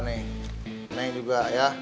ini juga ya